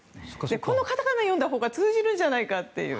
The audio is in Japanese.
このカタカナを読んだほうが通じるんじゃないかという。